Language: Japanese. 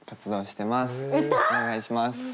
お願いします。